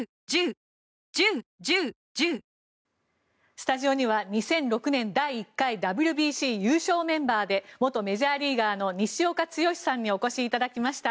スタジオには２００６年第１回ＷＢＣ優勝メンバーで元メジャーリーガーの西岡剛さんにお越しいただきました。